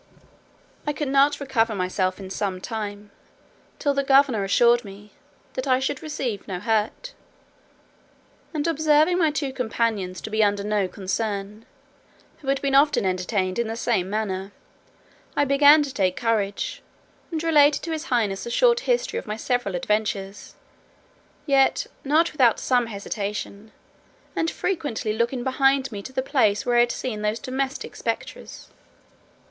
I could not recover myself in some time, till the governor assured me, "that I should receive no hurt;" and observing my two companions to be under no concern, who had been often entertained in the same manner, I began to take courage, and related to his highness a short history of my several adventures; yet not without some hesitation, and frequently looking behind me to the place where I had seen those domestic spectres.